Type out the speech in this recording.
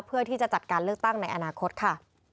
เพื่อที่จะจัดการเลือกตั้งในอนาคตค่ะ